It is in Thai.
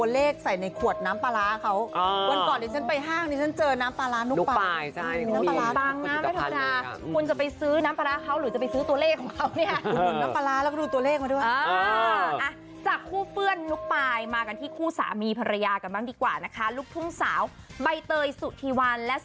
เลขสวยนะคะเออนอกจากนี้ค่ะยังร่วมสร้างหลังคาโบดอีกหนึ่งแสนบาท